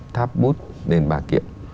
tháp bút đền bà kiệm